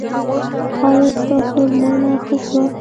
ایا ستاسو ازموینه ښه شوه؟